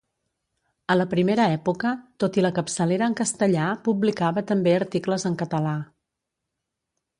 A la primera època, tot i la capçalera en castellà publicava també articles en català.